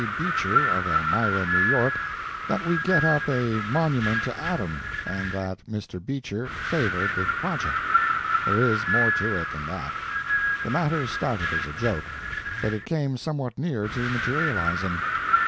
Beecher, of Elmira, New York, that we get up a monument to Adam, and that Mr. Beecher favored the project. There is more to it than that. The matter started as a joke, but it came somewhat near to materializing.